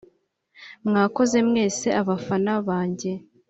“Mwakoze mwese abafana banjye